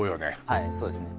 はいそうですね